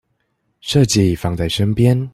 設計放在身邊